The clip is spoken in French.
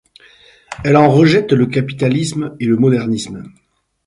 Elle en rejette le capitalisme et le modernisme.